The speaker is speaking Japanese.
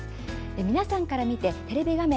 皆さんから見てテレビ画面